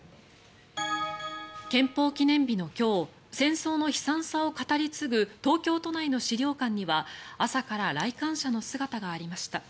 憲法記念日の今日戦争の悲惨さを語り継ぐ東京都内の資料館には朝から来館者の姿がありました。